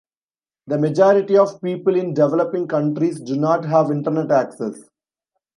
The majority of people in developing countries do not have Internet access.